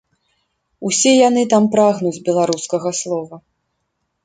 Усе яны там прагнуць беларускага слова.